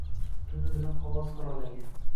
Tuni bilan qog‘oz qoralagan.